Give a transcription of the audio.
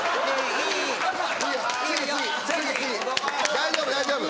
大丈夫大丈夫。